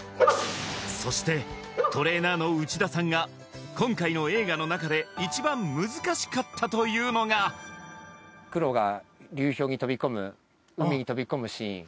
そしてトレーナーの内田さんが今回の映画の中で一番難しかったというのがクロが流氷に飛び込む海に飛び込むシーン